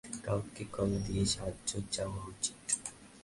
কাউকে কল দিয়ে সাহায্য চাওয়া উচিৎ।